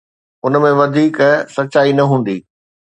ان ۾ وڌيڪ سچائي نه هوندي.